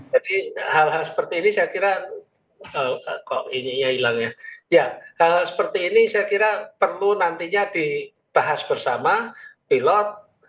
jadi hal hal seperti ini saya kira perlu nantinya dibahas bersama pilot